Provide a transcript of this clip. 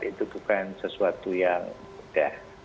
itu bukan sesuatu yang mudah